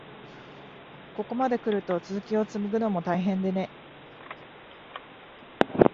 ここまでくると、続きをつむぐのも大変でね。